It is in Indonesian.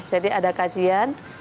jadi ada kajian